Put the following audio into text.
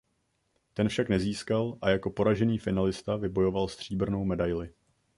Ten však nezískal a jako poražený finalista vybojoval stříbrnou medaili.